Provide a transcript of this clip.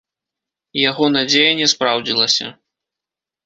Яго надзея не спраўдзілася.